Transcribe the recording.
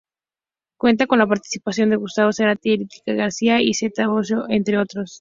Cuenta con la participación de Gustavo Cerati, Erica García y Zeta Bosio, entre otros.